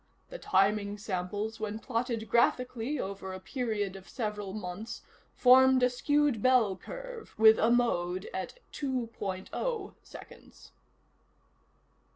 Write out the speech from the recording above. The timing samples, when plotted graphically over a period of several months, formed a skewed bell curve with a mode at two point oh seconds."